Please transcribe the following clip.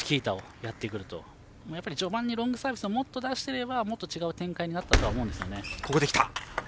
やっぱり序盤にロングサービスをもっと出していればもっと違う展開になったと思うんですよね。